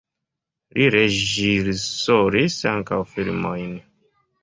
Li reĝisoris ankaŭ filmojn.